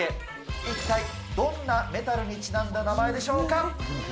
一体どんなメタルにちなんだ名前でしょうか。